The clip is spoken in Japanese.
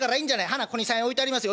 はなここに３円置いてありますよ